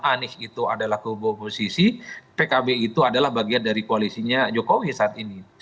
anies itu adalah kubu oposisi pkb itu adalah bagian dari koalisinya jokowi saat ini